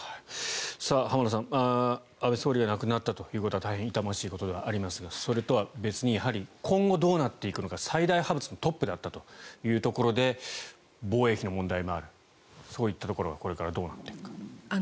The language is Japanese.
浜田さん、安倍総理が亡くなったということは大変痛ましいことではありますがそれとは別に今後どうなっていくのか最大派閥のトップだったというところで防衛費の問題もあるそういったところがこれからどうなっていくか。